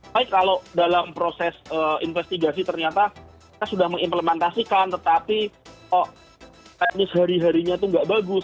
baik kalau dalam proses investigasi ternyata kita sudah mengimplementasikan tetapi kok teknis hari harinya itu nggak bagus